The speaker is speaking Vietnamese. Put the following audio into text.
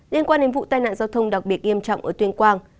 liên quan đến vụ tai nạn giao thông đặc biệt nghiêm trọng ở tuyên quang